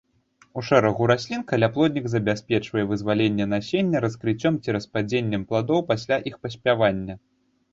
У шэрагу раслін каляплоднік забяспечвае вызваленне насення раскрыццём ці распадзеннем пладоў пасля іх паспявання.